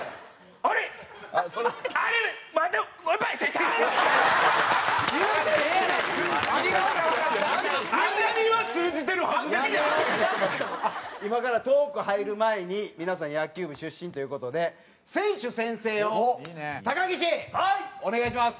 あっ今からトーク入る前に皆さん野球部出身という事で選手宣誓を高岸お願いします。